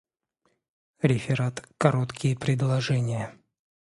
Реферат "Короткие предложения"